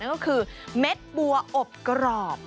ก็คือเม็ดบัวอบกรอบ